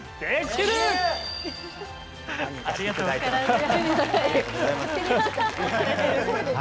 ありがとうございます。